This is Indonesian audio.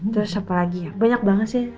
terus apa lagi ya banyak banget sih